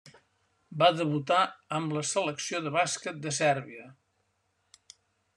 Va debutar amb la selecció de bàsquet de Sèrbia.